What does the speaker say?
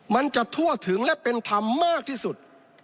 มันจะทั่วถึงและเป็นธรรมมากที่สุด